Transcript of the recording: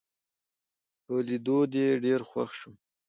په لیدو دي ډېر خوښ شوم